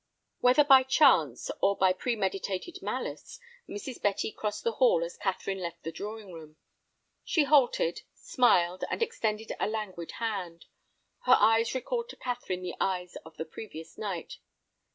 Whether by chance, or by premeditated malice, Mrs. Betty crossed the hall as Catherine left the drawing room. She halted, smiled, and extended a languid hand. Her eyes recalled to Catherine the eyes of the previous night.